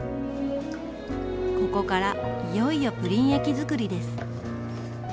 ここからいよいよプリン液づくりです。